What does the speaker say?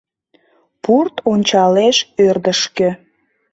Пурт ончалеш ӧрдыжкӧ: